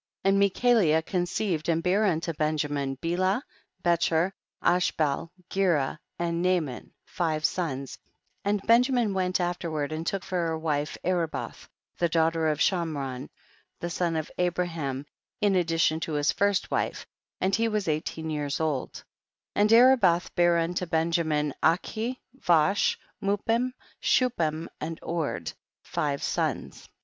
22. And Mechalia conceived and bare unto Benjamin Bela, Becher, Ashbel, Gera and Naaman, five sons ; and Benjamin went afterward and took for a wife Aribath, the daugh ter of Shomron, the son of Abraham, in addition to his first wife, and he was eighteen years old; and Aribath bare unto Benjamin Achi, Vosh, Mupim, Chupim, and Ord ; five sons.